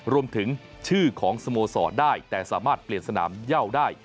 รวมถึงชื่อของสโมสรได้แต่สามารถเปลี่ยนสนามเย่าได้